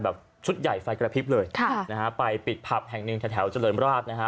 ชุดใหญ่ไฟกระพริบเลยค่ะนะฮะไปปิดผับแห่งหนึ่งแถวแถวเจริญราชนะฮะ